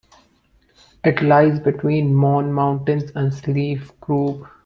It lies between the Mourne Mountains and Slieve Croob.